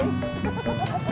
terima kasih pur